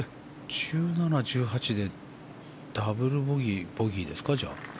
１７、１８でダブルボギーボギーですか。